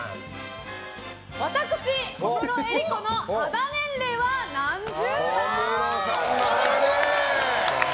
私、小室瑛莉子の肌年齢は何十代？